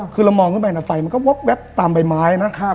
คือเรามองขึ้นไปนะไฟมันก็วับตามใบไม้นะ